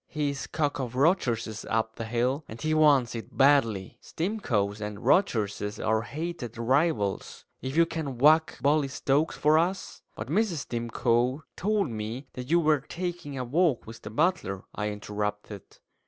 "He's cock of Rogerses up the hill, and he wants it badly. Stimcoes and Rogerses are hated rivals. If you can whack Bully Stokes for us " "But Mrs. Stimcoe told me that you were taking a walk with the butler," I interrupted.